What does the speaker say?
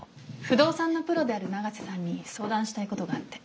不動産のプロである永瀬さんに相談したいことがあって。